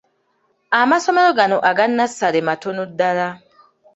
Amasomero gano aga nnassale matono ddala.